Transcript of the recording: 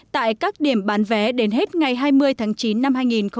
tại các điểm bán vé đến hết ngày hai mươi tháng chín năm hai nghìn một mươi tám